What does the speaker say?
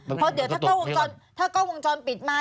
เพราะเดี๋ยวถ้ากล้องวงจรปิดมา